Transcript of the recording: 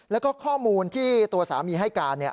แล้วก็ข้อมูลที่ตัวสามีให้การ